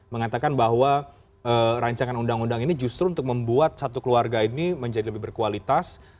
mengatakan bahwa rancangan undang undang ini justru untuk membuat satu keluarga ini menjadi lebih berkualitas